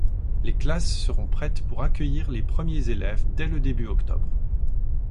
Les classes seront prêtes pour accueillir les premières élèves dès le début octobre.